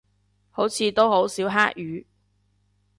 好似都好少黑雨